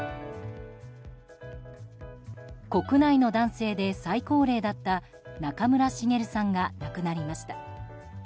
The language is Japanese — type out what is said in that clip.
国内の男性で最高齢だった中村茂さんが亡くなりました。